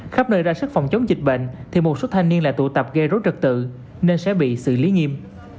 khắp nơi ra sức phòng chống dịch bệnh thì một số thanh niên lại tụ tập gây rối trật tự nên sẽ bị xử lý nghiêm